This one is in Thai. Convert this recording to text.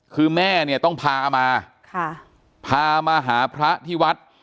คือแม่ต้องพามาพามาหาพระที่วัด